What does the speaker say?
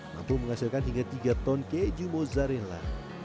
mampu menghasilkan hingga tiga ton keju mozzarella